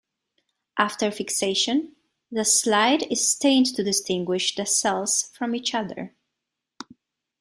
After fixation, the slide is stained to distinguish the cells from each other.